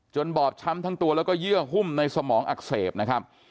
บอบช้ำทั้งตัวแล้วก็เยื่อหุ้มในสมองอักเสบนะครับ